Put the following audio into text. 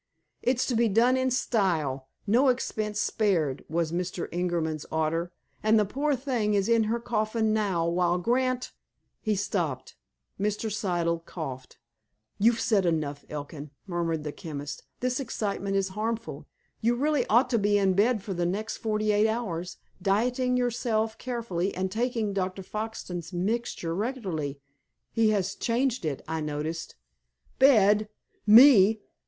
It's to be done in style—'no expense spared' was Mr. Ingerman's order—and the poor thing is in her coffin now while Grant—" He stopped. Mr. Siddle coughed. "You've said enough, Elkin," murmured the chemist. "This excitement is harmful. You really ought to be in bed for the next forty eight hours, dieting yourself carefully, and taking Dr. Foxton's mixture regularly. He has changed it, I noticed." "Bed! Me!